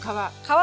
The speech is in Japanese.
皮。